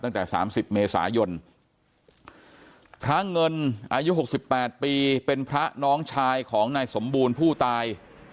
ตั้งแต่๓๐เมษายนพระเงินอายุ๖๘ปีเป็นพระน้องชายของนายสมบูรณ์ผู้ตาย